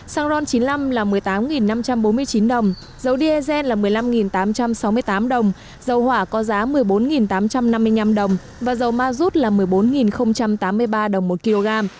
xăng ron chín mươi năm là một mươi tám năm trăm bốn mươi chín đồng dầu diesel là một mươi năm tám trăm sáu mươi tám đồng dầu hỏa có giá một mươi bốn tám trăm năm mươi năm đồng và dầu ma rút là một mươi bốn tám mươi ba đồng một kg